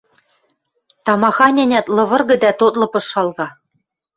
Тамахань-ӓнят лывыргы дӓ тотлы пыш шалга.